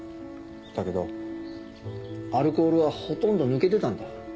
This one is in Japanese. だけどアルコールはほとんど抜けてたんだ。